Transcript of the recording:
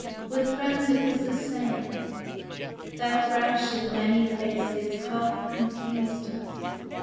With friends it was the same ; Their fresh and many faces half confus'd us.